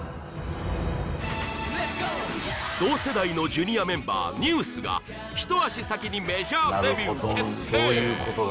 世代のＪｒ．メンバーＮＥＷＳが一足先にメジャーデビュー決定